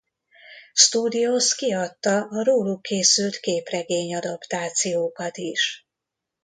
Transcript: Studios kiadta a róluk készült képregény adaptációkat is.